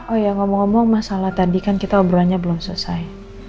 oh ya ngomong ngomong masalah tadi kan kita obrolannya belum selesai